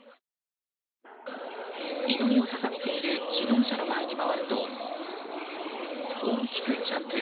祈りを捧げている指導者の前に回ると大きくジャンプ。